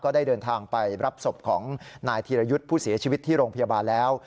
ได้เดินทางไปรับศพของนายธีรยุทธ์ผู้เสียชีวิตที่โรงพยาบาลแล้ว